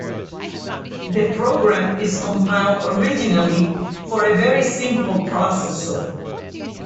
The program is compiled originally for a very simple processor.